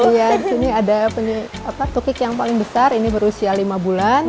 iya di sini ada tukik yang paling besar ini berusia lima bulan